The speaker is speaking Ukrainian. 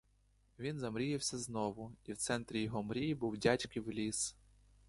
Він замріявся знову, і в центрі його мрій був дядьків ліс.